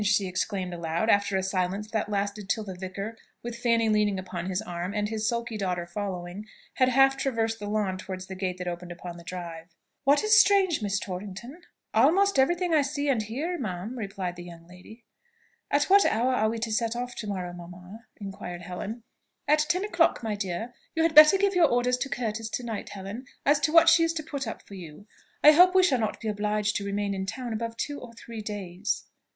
she exclaimed aloud, after a silence that lasted till the vicar, with Fanny leaning on his arm, and his sulky daughter following, had half traversed the lawn towards the gate that opened upon the drive. "What is strange, Miss Torrington?" said Mrs. Mowbray. "Almost every thing I see and hear, ma'am," replied the young lady. "At what hour are we to set off to morrow, mamma?" inquired Helen. "At ten o'clock, my dear. You had better give your orders to Curtis to night, Helen, as to what she is to put up for you. I hope we shall not be obliged to remain in town above two or three days."